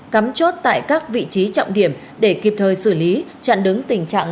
cắm chốt tại các vị trí trọng điểm để kịp thời xử lý chặn đứng tình trạng